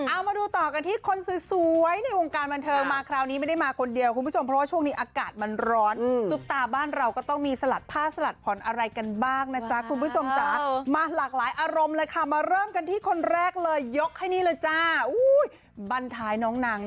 เอาไปดูกันที่คนสวยในวงการบันเทิงมาคราวนี้ไม่ได้มาคนเดียวโชคนี้อากาศมันร้อน